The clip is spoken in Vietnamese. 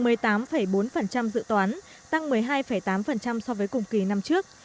lũy kế thu hai tháng đầu năm đạt hai mươi tám bốn dự toán tăng một mươi hai tám so với cùng kỳ năm trước